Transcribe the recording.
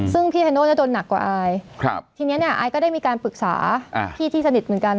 ซึ่งพี่เทโน่โดนหนักกว่าอายทีนี้เนี่ยอายก็ได้มีการปรึกษาพี่ที่สนิทเหมือนกัน